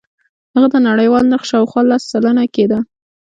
هغه د نړیوال نرخ شاوخوا لس سلنه کېده.